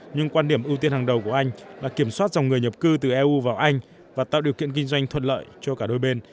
nhưng quan điểm ưu tiên hàng đầu của anh là kiểm soát dòng người nhập cư từ eu vào anh và tạo điều kiện kinh doanh thuận lợi cho cả đôi bên